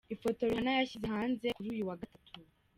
Ifoto Rihanna yashyize hanze kuri uyu wa Gatatu.